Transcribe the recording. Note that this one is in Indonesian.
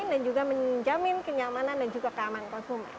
dan juga menjamin kenyamanan dan juga keamanan konsumen